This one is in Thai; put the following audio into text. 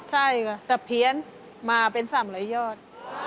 ใช่ค่ะแต่เพี้ยนมาเป็น๓๐๐ยอด